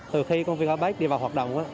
từ khi công viên apec đi vào hoạt động